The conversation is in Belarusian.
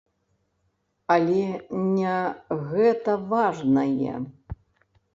Але не гэта важнае.